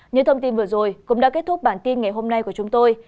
những thông tin vừa rồi cũng đã kết thúc bản tin ngày hôm nay của chúng tôi